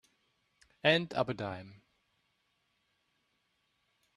And up a dime.